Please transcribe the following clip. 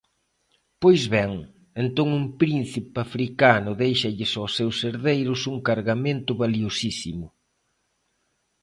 Pois ben, entón un príncipe africano déixalles aos seus herdeiros un cargamento valiosísimo.